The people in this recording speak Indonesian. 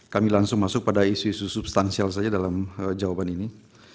kami langsung masuk pada isu isu substansial saja dalam jawaban ini